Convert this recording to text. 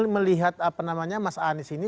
melihat apa namanya mas anies ini